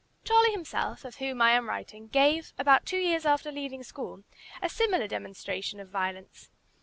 Charlie himself, of whom I am writing, gave, about two years after leaving school, a similar demonstration of violence.